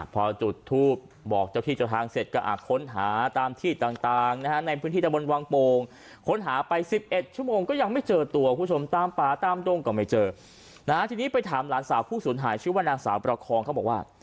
พอจุดทูปบอกเจ้าที่เจ้าทางเสร็จก็ค้นหาตามที่ต่างนะฮะในพื้นที่ตะบนวังโป่งค้นหาไป๑๑ชั่วโมงก็ยังไม่เจอตัวคุณผู้ชมตามป่าตามดงก็ไม่เจอนะฮะทีนี้ไปถามหลานสาวผู้สูญหายชื่อว่านางสาวประคองเขาบอกว่า